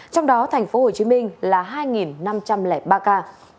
trong đó tp hcm là hai năm trăm linh ba ca